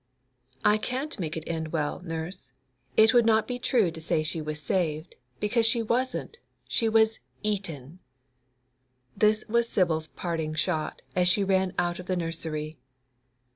'I can't make it end well, nurse. It would not be true to say she was saved, because she wasn't—she was eaten!' This was Sibyl's parting shot as she ran out of the nursery.